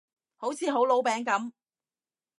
好似好老餅噉